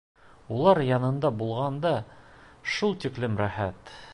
Улар янында булғанда шул тиклем рәхәт.